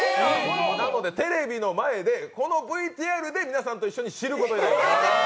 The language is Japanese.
なのでテレビの前でこのＶＴＲで皆さんと一緒に知ることになります。